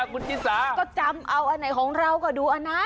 ก็จำเอาของนั่นอีกก็บอกคะ